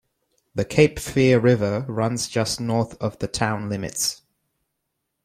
The Cape Fear River runs just north of the town limits.